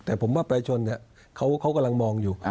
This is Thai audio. แต่ผมว่าประชาชนเขากำลังมองอยู่